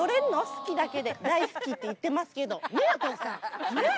好きだけで、大好きって言ってますけど、ねぇ？